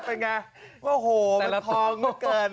เป็นไงโอ้โหมันทองเหลือเกิน